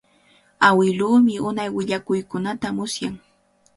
Awiluumi unay willakuykunata musyan.